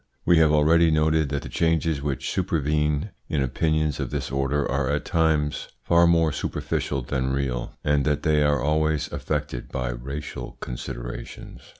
We have already noted that the changes which supervene in opinions of this order are at times far more superficial than real, and that they are always affected by racial considerations.